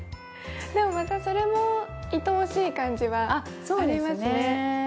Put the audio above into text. でも、またそれも愛おしい感じはありますね。